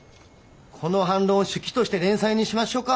この反論を手記として連載にしまっしょか。